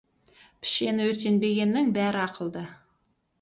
Пішені өртенбегеннің бәрі ақылды.